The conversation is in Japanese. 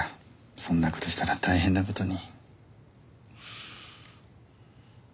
そんな事したら大変な事に。